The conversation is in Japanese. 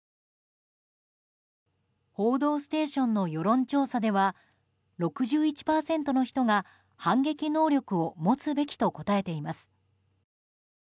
「報道ステーション」の世論調査では６１％の人が反撃能力を持つべきと答えています。